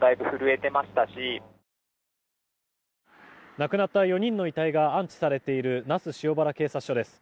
亡くなった４人の遺体が安置されている那須塩原警察署です。